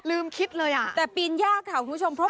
ลืมคิดเลยอะ